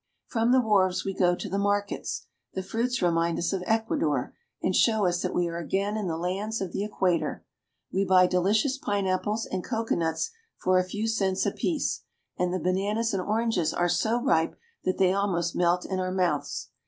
From the wharves we go to the markets. The fruits remind us of Ecuador, and show us that we are again in the lands of the equator. We buy delicious pineapples and cocoanuts for a few cents apiece, and the bananas and oranges :^' are so ripe that they almost melt in our mouths.